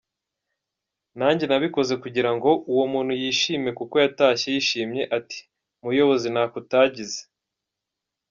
Nanjye nabikoze kugira ngo uwo muntu yishime kuko yatashye yishimye ati ‘muyobozi ntako utagize’.